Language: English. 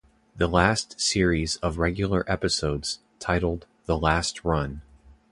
The last series of regular episodes, titled "The Last Run".